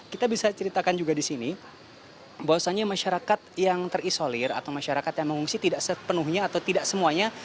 kita bisa ceritakan juga di sini bahwasannya masyarakat yang terisolir atau masyarakat yang mengungsi tidak sepenuhnya atau tidak semuanya